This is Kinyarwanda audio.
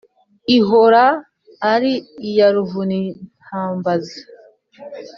Ihora ari iya Ruvunintabaza